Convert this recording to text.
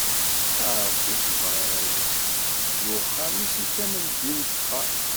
A Rebbi sebber arraw-is d uxxam-is i kamel Ddin Fexxar.